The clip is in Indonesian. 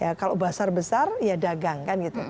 ya kalau basar besar ya dagang kan gitu